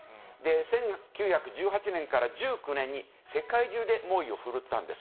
１９１８年から１９年に、世界中で猛威を振るったんです。